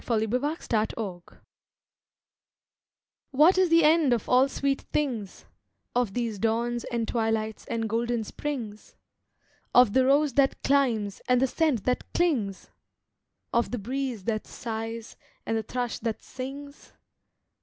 ON THE HILL TOP What is the end of all sweet things, Of these dawns and twilights and golden springs? Of the rose that climbs, and the scent that clings? Of the breeze that sighs, and the thrush that sings?